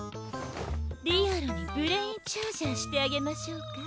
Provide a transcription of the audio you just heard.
リアルにブレイン・チャージャーしてあげましょうか？